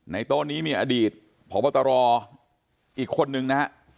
โต๊ะนี้มีอดีตพบตรอีกคนนึงนะฮะ